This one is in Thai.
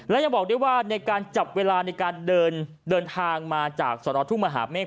และยังบอกด้วยว่าในการจับเวลาในการเดินทางมาจากสนทุ่งมหาเมฆ